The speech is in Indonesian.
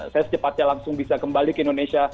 saya secepatnya langsung bisa kembali ke indonesia